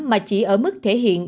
mà chỉ ở mức thể hiện